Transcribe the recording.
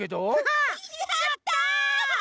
わやった！